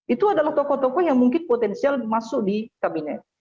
itu adalah tokoh tokoh yang mungkin potensial masuk di kabinet